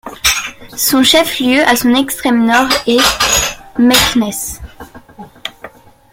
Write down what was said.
Son chef-lieu, à son extrême nord, est Meknès.